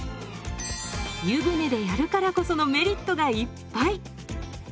湯船でやるからこそのメリットがいっぱい！